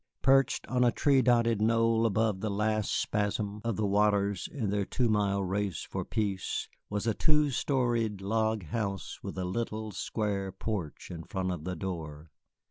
Perched on a tree dotted knoll above the last spasm of the waters in their two mile race for peace, was a two storied log house with a little, square porch in front of the door.